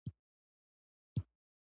هوایي ډګر د باندې موټرو تمځای کې.